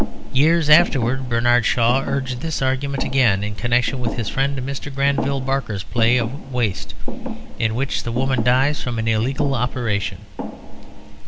Years afterwards Bernard Shaw urged this argument again in connection with his friend Mr. Granville Barker's play of Waste, in which the woman dies from an illegal operation.